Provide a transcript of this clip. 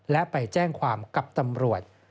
และไปแจ้งความกับตำรวจ